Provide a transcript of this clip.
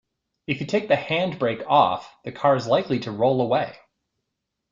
If you take the handbrake off, the car is likely to roll away